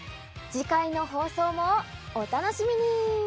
次回の放送もお楽しみに。